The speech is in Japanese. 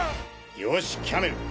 よしキャメル！